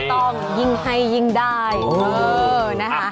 ถูกต้องยิงให้ยิงได้นะฮะ